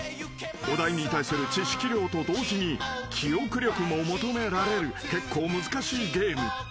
［お題に対する知識量と同時に記憶力も求められる結構難しいゲーム］